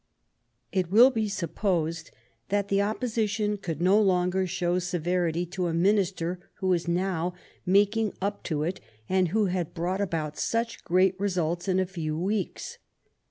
It will be supposed that the opposition could no longer show severity to a Minister who was now making up to it, and who had brought 1866^ ^° about such great results in a few weeks.